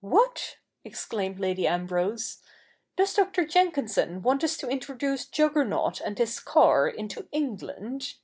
'What !' exclaimed Lady Ambrose, 'does Dr. Jenkin son want us to introduce Juggernaut and his car into England